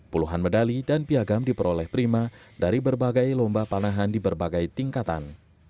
puluhan medali dan piagam diperoleh prima dari berbagai lomba panahan di berbagai tingkatan